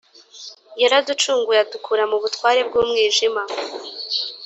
yaraducunguye adukura mu butware bw’umwijima